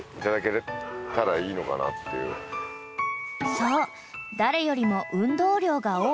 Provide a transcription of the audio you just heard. ［そう誰よりも］